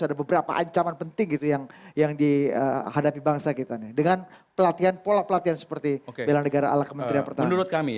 ada beberapa ancaman penting yang dihadapi bangsa kita dengan pelatihan pola pelatihan seperti belanegara ala kementerian pertahanan